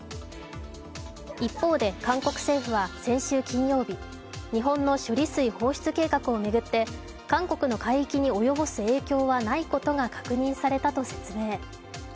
一方で韓国政府は先週金曜日、日本の処理水放出計画を巡って韓国の海域に及ぼす影響はないことが確認されたと説明。